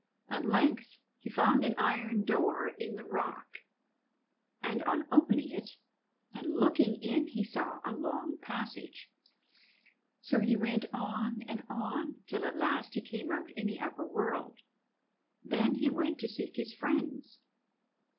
At length he found an iron door in the rock, and on opening it and looking in he saw a long passage. So he went on and on till at last he came out in the upper world. Then he went to seek his friends.